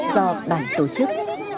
do bản tổ chức